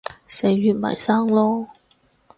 死完咪生囉